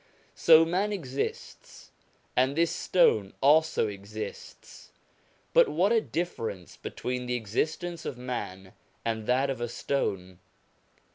So man exists, and this stone also exists, but what a difference between the existence of man and that of the stone